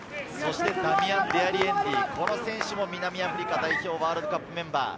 そしてダミアン・デアリエンディ、南アフリカ代表ワールドカップメンバー。